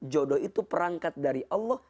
jodoh itu perangkat dari allah